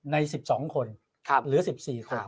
ใน๑๒คนเหลือ๑๔คน